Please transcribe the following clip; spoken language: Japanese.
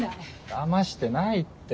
だましてないって。